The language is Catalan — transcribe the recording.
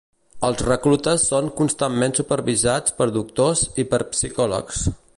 Els reclutes són constantment supervisats per doctors i per psicòlegs.